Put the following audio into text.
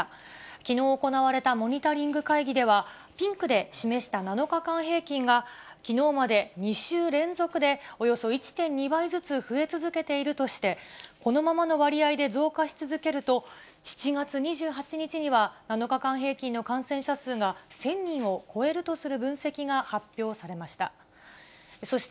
きのう行われたモニタリング会議では、ピンクで示した７日間平均が、きのうまで２週連続でおよそ１．２倍ずつ増え続けているとして、このままの割合で増加し続けると、７月２８日には、７日間平均の感染者数が１０００人を超えるとする分析が発表されました。